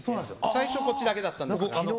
最初、片方だけだったんですが。